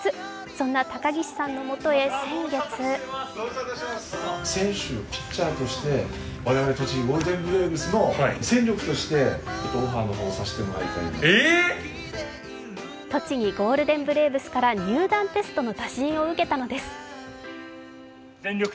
そんな高岸さんのもとへ先月栃木ゴールデンブレーブスから入団テストの打診を受けたのです。